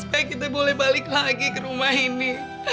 baik kita boleh balik lagi ke rumah ini